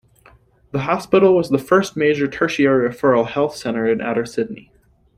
The hospital was the first major tertiary referral health centre in outer Sydney.